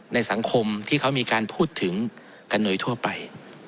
ในสังคมที่เขามีการพูดถึงกันโดยทั่วไป